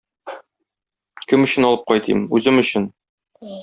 Кем өчен алып кайтыйм, үзем өчен.